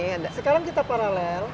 sekarang kita paralel